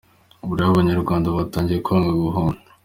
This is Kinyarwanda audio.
Ubu rero abanyarwanda batangiye kwanga guhunga!